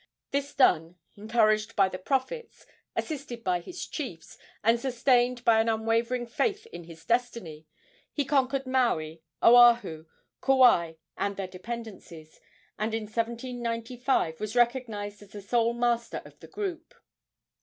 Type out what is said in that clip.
This done, encouraged by the prophets, assisted by his chiefs, and sustained by an unwavering faith in his destiny, he conquered Maui, Oahu, Kauai and their dependencies, and in 1795 was recognized as the sole master of the group.